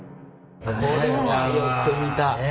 これはよく見た。